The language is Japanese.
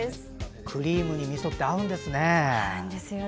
クリームにみそって合うんですね。